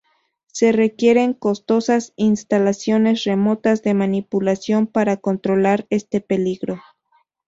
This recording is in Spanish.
Se requieren costosas instalaciones remotas de manipulación para controlar este peligro.